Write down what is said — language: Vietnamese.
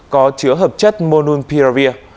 có chứa hợp chất monupiravir